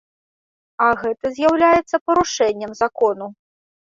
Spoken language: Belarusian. А гэта з'яўляецца парушэннем закону.